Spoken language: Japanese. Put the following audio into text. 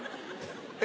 え？